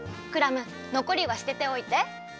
クラムのこりは捨てておいて。